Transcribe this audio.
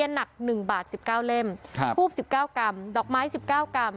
หนัก๑บาท๑๙เล่มทูบ๑๙กรัมดอกไม้๑๙กรัม